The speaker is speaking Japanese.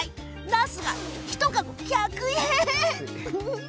なすが１籠１００円。